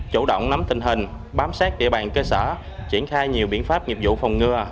chủ động nắm tình hình bám sát địa bàn cơ sở triển khai nhiều biện pháp nghiệp vụ phòng ngừa